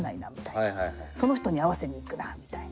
その人に合わせにいくなみたいな。